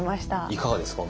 いかがですか？